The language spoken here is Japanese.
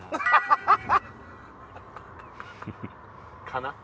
かな？